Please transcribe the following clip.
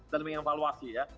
dan menginvaluasi ya